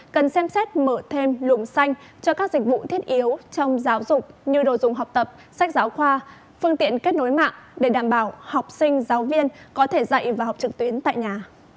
cần xem xét mở thêm lùm xanh cho các dịch vụ thiết yếu trong giáo dục như đồ dùng học tập sách giáo khoa phương tiện kết nối mạng để đảm bảo học sinh giáo viên có thể dạy và học trực tuyến tại nhà